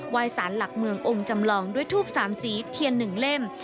ไหว้ศาลหลักเมืององค์จำลองด้วยทูปสามสีเทียนหนึ่งเล่ม